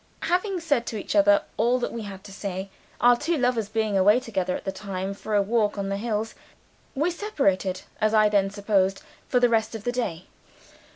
Having said to each other all that we had to say our two lovers being away together at the time, for a walk on the hills we separated, as I then supposed, for the rest of the day.